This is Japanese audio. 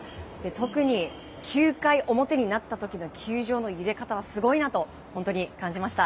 特に９回表になった時の球場の揺れ方はすごいなと本当に感じました。